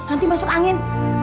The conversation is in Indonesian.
nanti masuk angin